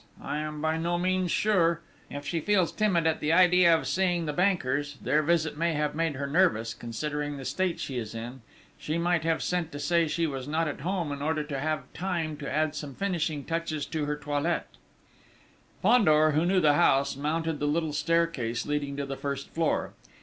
I am by no means sure.... If she feels timid at the idea of seeing the bankers their visit may have made her nervous, considering the state she is in ... she might have sent to say she was not at home in order to have time to add some finishing touches to her toilette." Fandor, who knew the house, mounted the little staircase leading to the first floor.